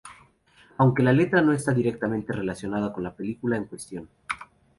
Aunque la letra no está directamente relacionada con la película en cuestión.